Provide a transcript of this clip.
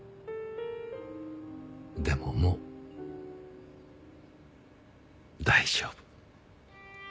でももう大丈夫。